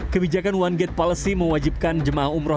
kebijakan one gate policy mewajibkan jemaah umroh